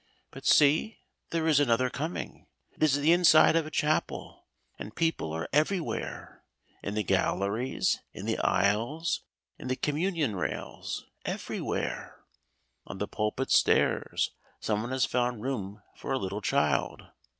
But see, there is another coming! It is the inside of a chapel, and people are everywhere; in the galleries, in the aisles, in the communion rails, everywhere. On the pulpit stairs some one has found room for a little child.